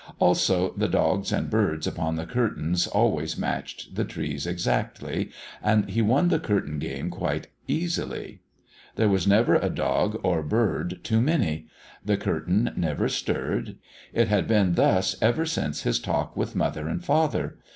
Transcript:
Also, the dogs and birds upon the curtains always matched the trees exactly, and he won the curtain game quite easily; there was never a dog or bird too many; the curtain never stirred. It had been thus ever since his talk with Mother and Father.